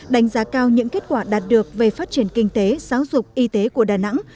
đánh giá cao những kết quả đạt được về phát triển kinh tế giáo dục y tế của đà nẵng